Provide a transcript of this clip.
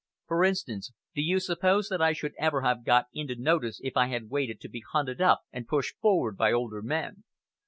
For instance, do you suppose that I should ever have got into notice if I had waited to be hunted up and pushed forward by older men?